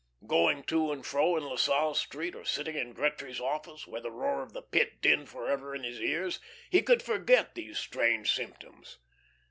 Going to and fro in La Salle Street, or sitting in Gretry's office, where the roar of the Pit dinned forever in his ears, he could forget these strange symptoms.